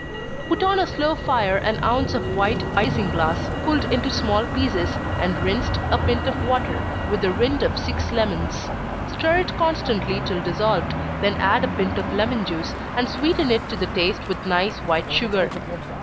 _ Put on a slow fire an ounce of white isinglass, pulled into small pieces, and rinsed, a pint of water, with the rind of six lemons. Stir it constantly till dissolved, then add a pint of lemon juice, and sweeten it to the taste with nice white sugar.